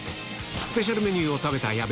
スペシャルメニューを食べた矢部。